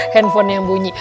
handphone yang bunyi